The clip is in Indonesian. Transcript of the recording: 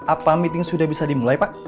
apa meeting sudah bisa dimulai pak